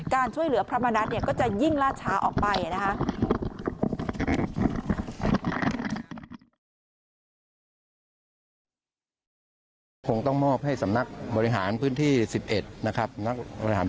การช่วยเหลือพระมณัฐก็จะยิ่งราชาออกไปนะคะ